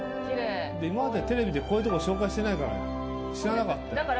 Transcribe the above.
今までテレビでこういうとこ紹介してないから知らなかったよ。